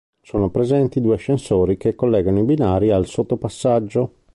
Sono presenti due ascensori che collegano i binari al sottopassaggio.